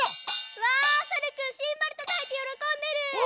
うわさるくんシンバルたたいてよろこんでる！